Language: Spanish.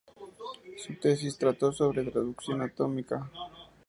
Su tesis trató sobre traducción automática.